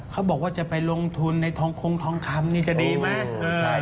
เขาบอกว่าจะไปลงทุนในทองคงทองคำนี่จะดีไหม